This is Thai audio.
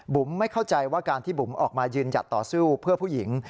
ไม่เข้าใจว่าการที่บุ๋มออกมายืนหยัดต่อสู้เพื่อผู้หญิง